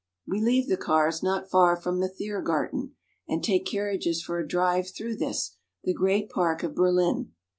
We leave the cars not far from the Thiergarten and take carriages for a drive through this, the great park of Berlin.